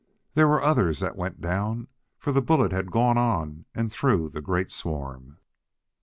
There were others that went down, for the bullet had gone on and through the great swarm.